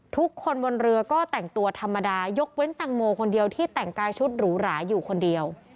ทุกคนบนเรือก็แต่งตัวธรรมดายกเว้นแตงโมคนเดียวที่แต่งกายชุดหรูหราอยู่คนเดียว